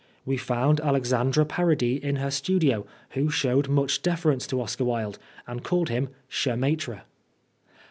We found Alexandre Parodi in her studio, who showed much deference to Oscar Wilde, and called him "cher maltre."